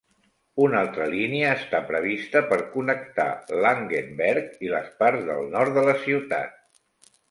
Una altra línia està prevista per connectar Langenberg i les parts del nord de la ciutat.